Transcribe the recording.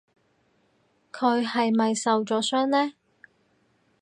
佢係咪受咗傷呢？